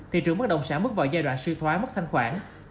thị trường mất động sản mất vào giai đoạn sư thoái mất thanh khoản